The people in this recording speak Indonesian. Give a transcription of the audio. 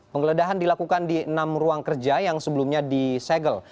penggeledahan dilakukan di enam ruang kerja yang sebelumnya disegel